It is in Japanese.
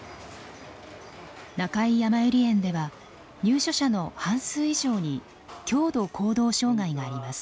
中井やまゆり園では入所者の半数以上に強度行動障害があります。